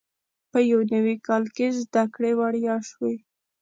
په یو نوي کال کې زده کړې وړیا شوې.